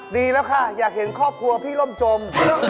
ดีแล้วค่ะอยากเห็นครอบครัวพี่ร่มจม